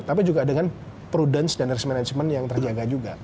tapi juga dengan prudence dan risk management yang terjaga juga